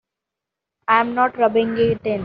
I'm not rubbing it in.